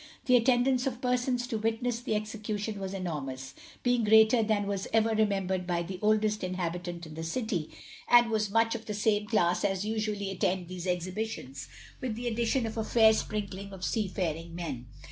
The attendance of persons to witness the execution was enormous, being greater than was ever remembered by the oldest inhabitant in the City, and was much of the same class as usually attend these exhibitions, with the addition of a fair sprinkling of seafaring men.